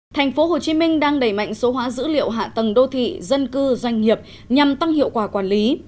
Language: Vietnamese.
tp hcm đang đẩy mạnh số hóa dữ liệu hạ tầng đô thị dân cư doanh nghiệp nhằm tăng hiệu quả quản lý